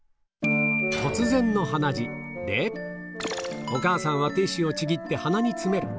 突然の鼻血、で、お母さんはティッシュをちぎって鼻に詰める。